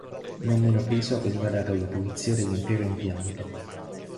Non meno peso veniva dato alla pulizia dell'intero impianto.